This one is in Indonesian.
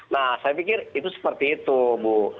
nah saya pikir itu seperti itu bu